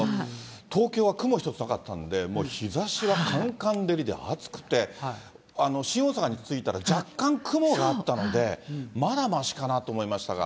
東京は雲一つなかったので、日ざしはかんかん照りで暑くて、新大阪に着いたら若干雲があったので、まだましかなと思いましたが。